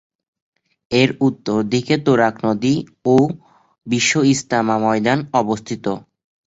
এর উত্তর দিকে তুরাগ নদী ও বিশ্ব ইজতেমা ময়দান অবস্থিত।